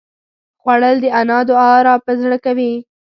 خوړل د انا دعا راپه زړه کوي